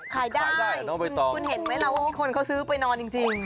ขายได้คุณเห็นไหมล่ะว่ามีคนเขาซื้อไปนอนจริง